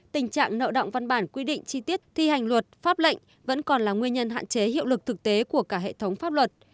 tình trạng nợ động văn bản quy định chi tiết thi hành luật pháp lệnh vẫn còn là nguyên nhân hạn chế hiệu lực thực tế của cả hệ thống pháp luật